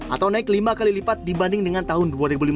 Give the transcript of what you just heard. atau naik lima kali lipat dibanding dengan tahun dua ribu lima belas